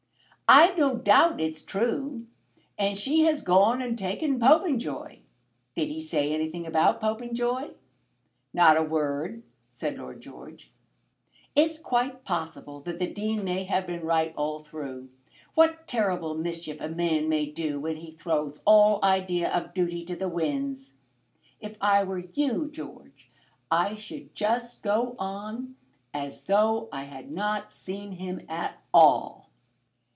"I've no doubt it's true. And she has gone and taken Popenjoy? Did he say anything about Popenjoy?" "Not a word," said Lord George. "It's quite possible that the Dean may have been right all through. What terrible mischief a man may do when he throws all idea of duty to the winds! If I were you, George, I should just go on as though I had not seen him at all."